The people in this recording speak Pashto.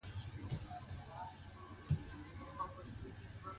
د علم د ترلاسه کولو لپاره شرایط باید متوازن وي.